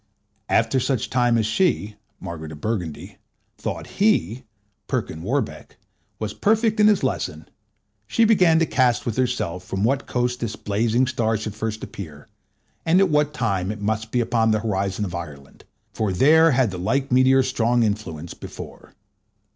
"After such time as she (Margaret of Burgundy) thought he (Perkin Warbeck) was perfect in his lesson, she began to cast with herself from what coast this blazing star should first appear, and at what time it must be upon the horizon of Ireland; for there had the like meteor strong influence before."